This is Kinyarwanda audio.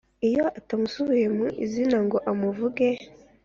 Iyo atamusubiye mu izina ngo amuvuge